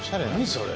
それ。